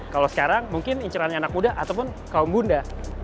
kalau sekarang mungkin incerannya anak muda ataupun kaum bunda